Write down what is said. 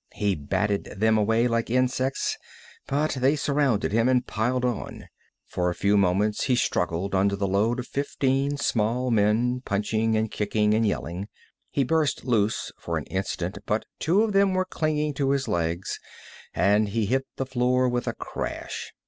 He batted them away like insects, but they surrounded him and piled on. For a few moments he struggled under the load of fifteen small men, punching and kicking and yelling. He burst loose for an instant, but two of them were clinging to his legs and he hit the floor with a crash.